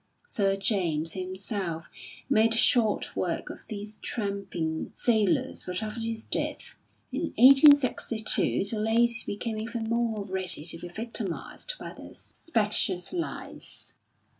Sir James, himself, made short work of these tramping "sailors," but after his death, in 1862, the lady became even more ready to be victimised by their specious lies.